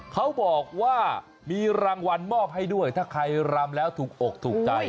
เขาบอกว่ามีรางวัลมอบให้ด้วยถ้าใครรำแล้วถูกอกถูกใจ